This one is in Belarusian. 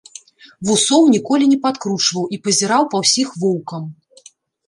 Вусоў ніколі не падкручваў і пазіраў па ўсіх воўкам.